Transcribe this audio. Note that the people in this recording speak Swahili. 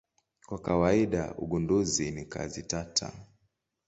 Kwa kawaida ugunduzi ni kazi tata.